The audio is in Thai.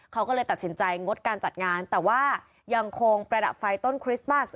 เขาก็เลยตัดสินใจงดการจัดงานแต่ว่ายังคงประดับไฟต้นคริสต์มาส